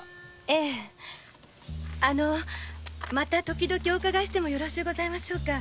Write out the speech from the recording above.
えぇあのまた時々お伺いしてもよろしゅうございましょうか？